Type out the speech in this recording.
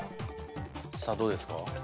さあどうですか？